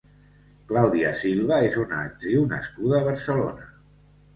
Claudia Silva és una actriu nascuda a Barcelona.